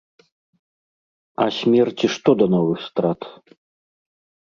А смерці што да новых страт?